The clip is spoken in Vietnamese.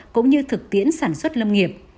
cũng như thực tiễn sản xuất lâm nghiệp